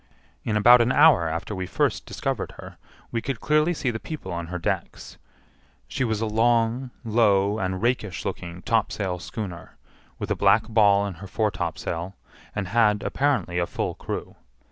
In about an hour after we first discovered her, we could clearly see the people on her decks. She was a long, low, and rakish looking topsail schooner, with a black ball in her foretopsail, and had, apparently, a full crew.